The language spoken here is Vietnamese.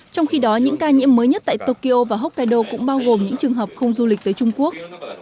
trong khi đó những ca nhiễm mới nhất tại tokyo và hokkaido cũng bao gồm những trường hợp không du lịch tới trung quốc